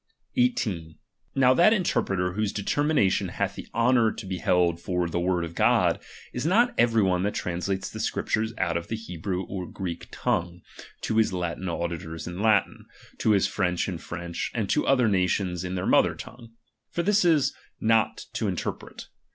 ]8. Now that interpreter whose determinatioD .ehath the honour to be held for the word of God,}& ; not every one tliat translates the Scriptures out of ' the Hebrew and Greek tongue, to his Latin andi tors in Latin, to his French in French, and to other nations in their mother tongue ; for this is not to interpret.